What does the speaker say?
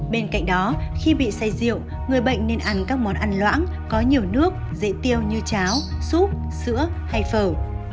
bên cạnh đó khi bị say rượu người bệnh nên ăn các món ăn loãng có nhiều nước dễ tiêu như cháo xúp sữa hay phở